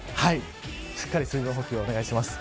しっかり水分補給をお願いします。